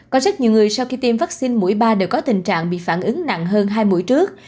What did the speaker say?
có rất nhiều người sau khi tiêm vaccine mũi ba đều có tình trạng bị phản ứng nặng hơn hai buổi trước